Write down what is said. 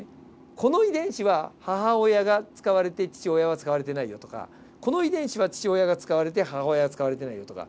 この遺伝子は母親が使われて父親は使われてないよとかこの遺伝子は父親が使われて母親は使われてないよとか。